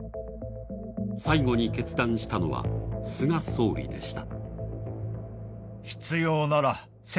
最後に決断したのは菅総理でした。